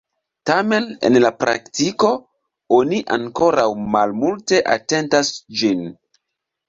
Tamen en la praktiko oni ankoraŭ malmulte atentas ĝin.